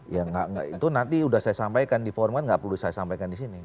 ya enggak itu nanti udah saya sampaikan di forum kan gak perlu saya sampaikan disini